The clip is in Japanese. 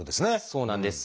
そうなんです。